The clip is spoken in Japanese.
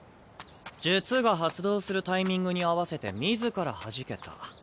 術が発動するタイミングに合わせて自らはじけた。